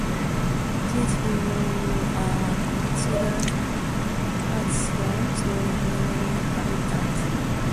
These four are considered Hudson's original inhabitants.